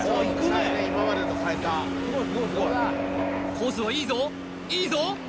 コースはいいぞいいぞ！